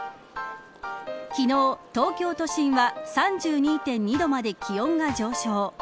昨日、東京都心は３２．２度まで気温が上昇。